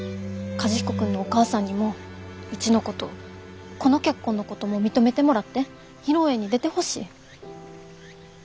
和彦君のお母さんにもうちのことこの結婚のことも認めてもらって披露宴に出てほしい。